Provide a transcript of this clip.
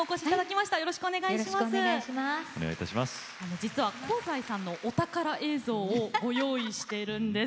実は香西さんのお宝映像をご用意してるんです。